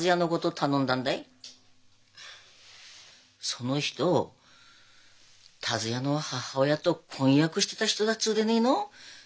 その人達也の母親と婚約してた人だっつうでねえの？